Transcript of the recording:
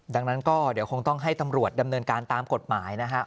ดังนั้นก็เดี๋ยวคงต้องให้ตำรวจดำเนินการตามกฎหมายนะครับ